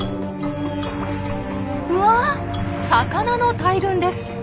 うわ魚の大群です！